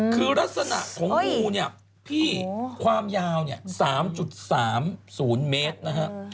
คือลักษณะของงูเนี่ยความยาว๓๓๐เมตรนะฮะ